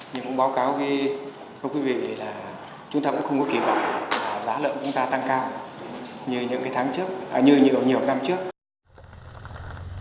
nhưng cũng báo cáo với quý vị là chúng ta cũng không có kỳ vọng giá lợi của chúng ta tăng cao như nhiều năm trước